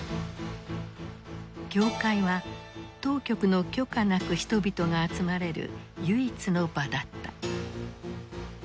教会は当局の許可なく人々が集まれる唯一の場だった。